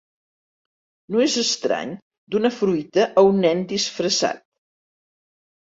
No és estrany donar fruita a un nen disfressat.